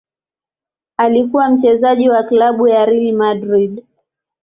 Alikuwa mchezaji wa klabu ya Real Madrid.